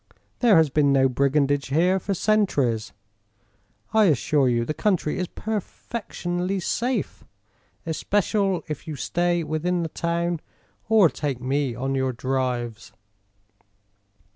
There has been no brigandage here for centuries. I assure you the country is perfectionly safe especial if you stay within the town or take me on your drives.